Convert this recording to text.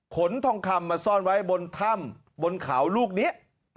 ทองคำมาซ่อนไว้บนถ้ำบนเขาลูกนี้